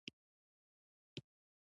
کلي د افغانستان د صادراتو برخه ده.